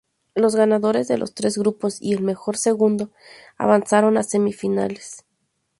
Los ganadores de los tres grupos y el mejor segundo avanzaron a semifinales.